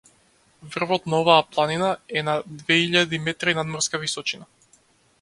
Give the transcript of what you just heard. Врвот на оваа планина е на две илјади метри надморска височина.